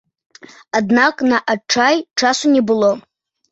Аднак на адчай часу не было.